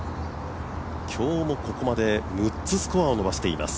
今日もここまで６つスコアを伸ばしています。